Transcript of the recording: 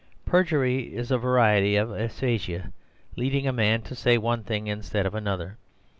Perjury is a variety of aphasia, leading a man to say one thing instead of another.